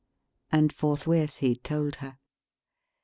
And forthwith he told her.